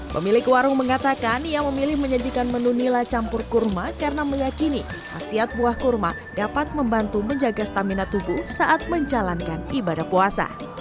pemilik warung mengatakan ia memilih menyajikan menu nila campur kurma karena meyakini hasil buah kurma dapat membantu menjaga stamina tubuh saat menjalankan ibadah puasa